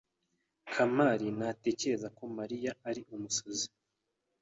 Kamari ntatekereza ko Mariya ari umusazi.